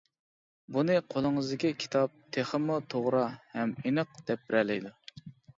بۇنى قولىڭىزدىكى كىتاب تېخىمۇ توغرا، ھەم ئېنىق دەپ بېرەلەيدۇ.